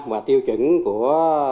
và tiêu chuẩn của